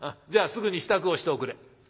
じゃあすぐに支度をしておくれ。